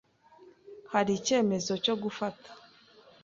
Hariho icyemezo cyo gufata.